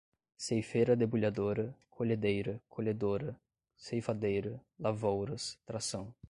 ceifeira debulhadora, colhedeira, colhedora, ceifadeira, lavouras, tração